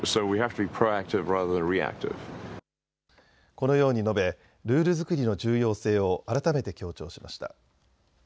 このように述べルール作りの重要性を改めて強調しました。